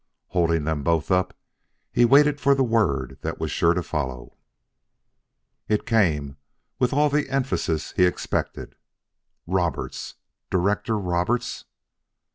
Holding them both up, he waited for the word that was sure to follow. It came with all the emphasis he expected. "Roberts! Director Roberts!"